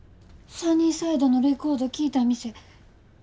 「サニーサイド」のレコード聴いた店。